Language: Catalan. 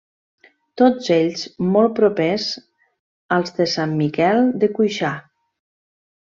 Tots ells molt propers als de Sant Miquel de Cuixà.